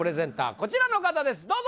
こちらの方ですどうぞ！